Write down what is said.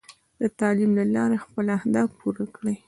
د تعلیم له لارې خپل اهداف پوره کړئ.